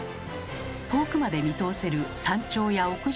遠くまで見通せる山頂や屋上からの景色。